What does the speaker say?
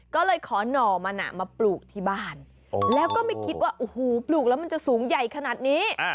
ก็เลยขอหน่อมันมาปลูกที่บ้านแล้วก็ไม่คิดว่าโอ้โหปลูกแล้วมันจะสูงใหญ่ขนาดนี้